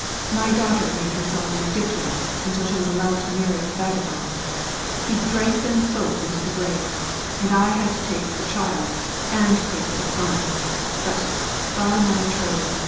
My daughter made herself ridiculous until she was allowed to marry a vagabond. He drank them both into the grave, and I had to take the child and pay for the fun; but, by my troth!